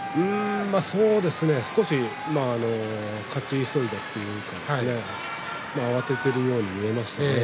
少し勝ち急いで慌てているように見えました。